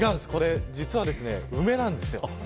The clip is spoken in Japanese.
実は梅なんです。